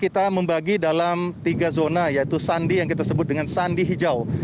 kita membagi dalam tiga zona yaitu sandi yang kita sebut dengan sandi hijau